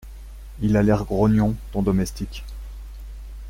Il a l’air grognon, ton domestique.